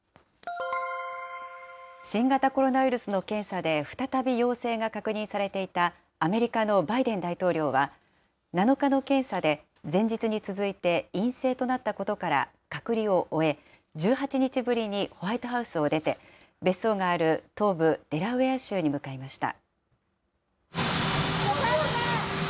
新型コロナウイルスの検査で再び陽性が確認されていたアメリカのバイデン大統領は、７日の検査で前日に続いて陰性となったことから隔離を終え、１８日ぶりにホワイトハウスを出て、別荘がある東部デラウェア州に向かいました。